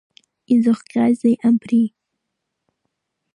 Изыхҟьазеи абри?!